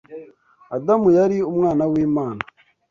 Adamu yari “umwana w’Imana